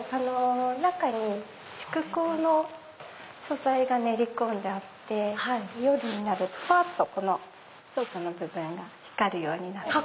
中に蓄光の素材が練り込んであって夜になるとチョウチョの部分が光るようになってます。